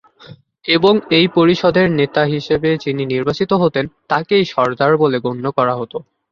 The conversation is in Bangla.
এবং এই পরিষদের নেতা হিসেবে যিনি নির্বাচিত হতেন, তাকেই সরদার বলে গণ্য করা হতো।